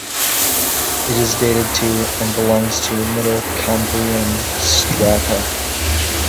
It is dated to and belongs to middle Cambrian strata.